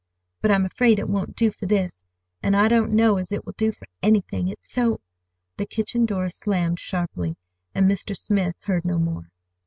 "But I'm afraid it won't do for this, and I don't know as it will do for anything, it's so—" The kitchen door slammed sharply, and Mr. Smith heard no more.